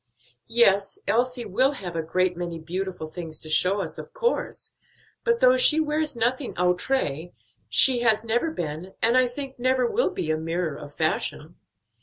"Yes, Elsie will have a great many beautiful things to show us, of course; but, though she wears nothing outré, she has never been, and I think never will be a mirror of fashion.